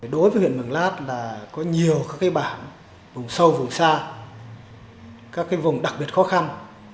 đối với huyện mường lát là có nhiều các cái bảng vùng sâu vùng xa các cái vùng đặc biệt khó khăn